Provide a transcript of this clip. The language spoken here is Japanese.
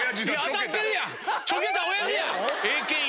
当たってるやん！